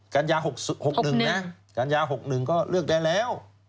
กันยา๖๑ก็เลือกได้แล้ว